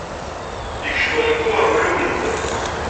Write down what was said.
Yekcem rekku ar ulawen-nwen.